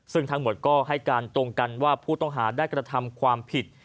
ซึ่งทั้งหมดก็ให้การตรงกันว่าผู้ต้องหาได้กระทำความผิด